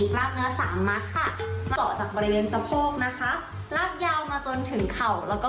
๕๑๐ครั้งต่อท่าลองไปทำตามกันได้เลย